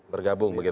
bergabung begitu ya